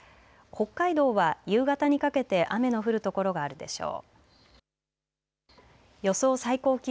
北海道は夕方にかけて雨の降る所があるでしょう。